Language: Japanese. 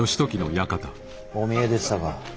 お見えでしたか。